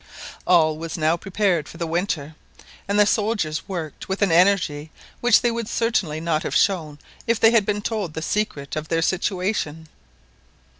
All was now prepared for the winter, and the soldiers worked with an energy which they would certainly not have shown if they had been told the secret of their situation.